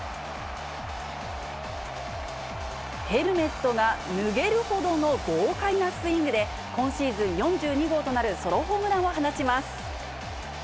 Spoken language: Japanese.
ヘルメットが脱げるほどの豪快なスイングで、今シーズン４２号となるソロホームランを放ちます。